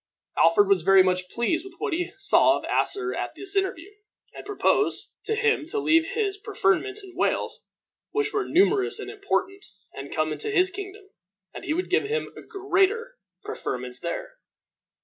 Alfred was very much pleased with what he saw of Asser at this interview, and proposed to him to leave his preferments in Wales, which were numerous and important, and come into his kingdom, and he would give him greater preferments there.